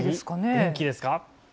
電気ですか？